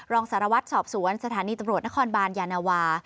รองสารวัตรสอบสวนสถานีตำรวจนครบานยานวา